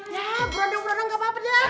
ya burundung burundung gapapa dah